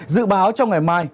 dự báo trong ngày mai